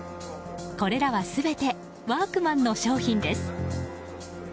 これらは全てワークマンの商品です。